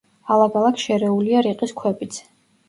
ალაგ-ალაგ შერეულია რიყის ქვებიც.